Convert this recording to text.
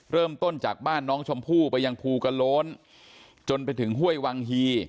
เริ่มต้นจากบ้านน้องชมพู่ไปยังภูกระโล้นจนไปถึงห้วยวังฮี